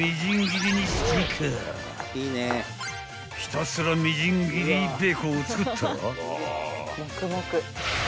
［ひたすらみじん切りベーコンを作ったら］